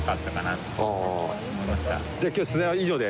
じゃあきょう取材は以上で。